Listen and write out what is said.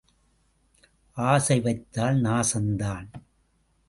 ஆசை வைத்தால் நாசந்தான்.